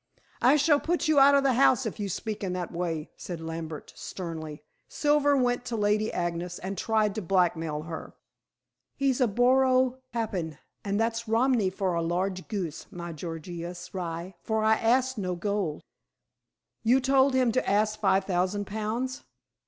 "I shall put you out of the house if you speak in that way," said Lambert sternly. "Silver went to Lady Agnes and tried to blackmail her." "He's a boro pappin, and that's Romany for a large goose, my Gorgious rye, for I asked no gold." "You told him to ask five thousand pounds."